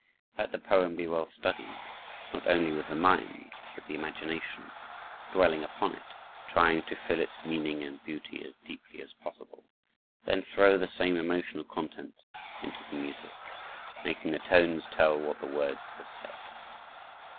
Let the poem be well studied, not only with the mind, but with the imagination, dwelling upon it, trying to feel its meaning and beauty as deeply as possible; then throw the same emotional content into the music, making the tones tell what the words have said.